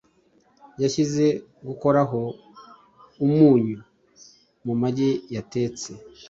Yashyize gukoraho umunyu kumagi yatetse.